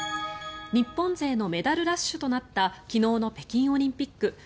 日本勢のメダルラッシュとなった昨日の北京オリンピック。